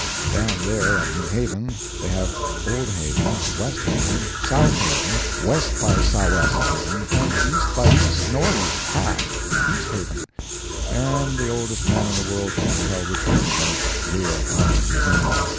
Down there at New Haven they have Old Haven, West Haven, South Haven, West by sou' West Haven and East by east—nor' east half—east Haven, and the oldest man in the world can't tell which one of them Yale College is in.